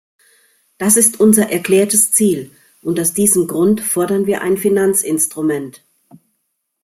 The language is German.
Das ist unser erklärtes Ziel, und aus diesem Grund fordern wir ein Finanzinstrument.